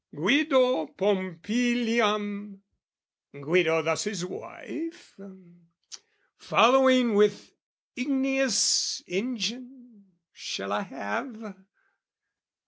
Guido Pompiliam Guido thus his wife Following with igneous engine, shall I have?